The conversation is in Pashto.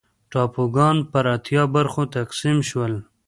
ټاپوګان پر اتیا برخو تقسیم شول.